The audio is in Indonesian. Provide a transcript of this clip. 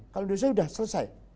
kalau indonesia sudah selesai